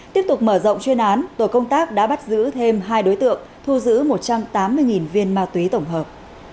tiếp tục mở rộng chuyên án tổ công tác đã bắt giữ thêm hai đối tượng thu giữ một trăm tám mươi viên ma túy tổng hợp